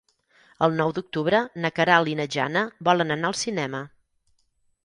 El nou d'octubre na Queralt i na Jana volen anar al cinema.